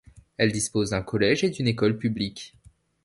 Elle dispose d'un collège et d'une école publique.